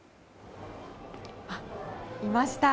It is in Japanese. あ、いました！